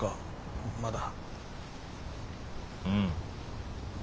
うん。